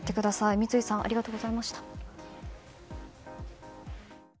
三井さんありがとうございました。